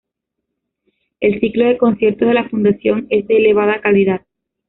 El ciclo de conciertos de la fundación es de elevada calidad.